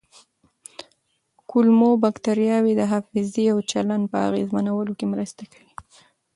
کولمو بکتریاوې د حافظې او چلند په اغېزمنولو کې مرسته کوي.